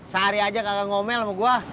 sehari aja kakak ngomel sama gue